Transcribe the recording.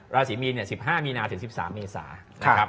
ราศรีมีน๑๕มีนาถึง๑๓เมษา